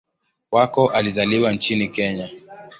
Wako alizaliwa nchini Kenya.